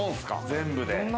全部で。